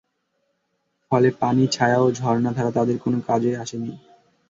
ফলে পানি, ছায়া ও ঝর্ণাধারা তাদের কোন কাজেই আসেনি।